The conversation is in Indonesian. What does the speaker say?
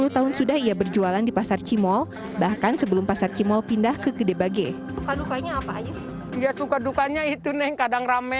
sepuluh tahun sudah ia berjualan di pasar cimol bahkan sebelum pasar cimol pindah ke gede bagel